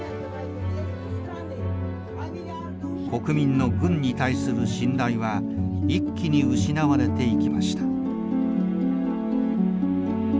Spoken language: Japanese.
国民の軍に対する信頼は一気に失われていきました。